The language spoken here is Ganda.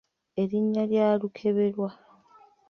Erinnya lya Lukeberwa.